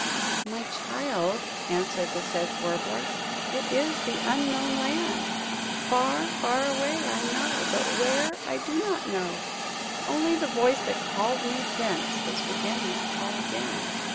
"My child," answered the Sedge Warbler, " it is the Unknown Land! Far, far away, I know: but where, I do not know. Only the voice that called me thence is beginning to call again.